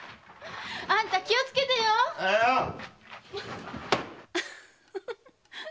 〔あんた気をつけてよ！〕